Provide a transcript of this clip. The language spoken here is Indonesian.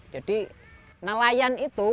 jadi nelayan itu